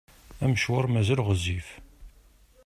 Amecwar mazal ɣezzif.